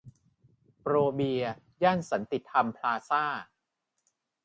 โปรเบียร์ ย่านสันติธรรมพลาซ่า